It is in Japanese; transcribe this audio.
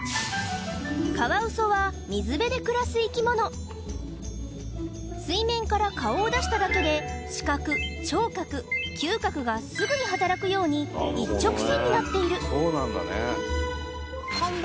カワウソは水面から顔を出しただけで視覚聴覚嗅覚がすぐに働くように一直線になっている看板